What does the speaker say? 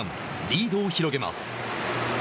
リードを広げます。